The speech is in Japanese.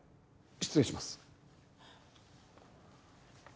失礼します。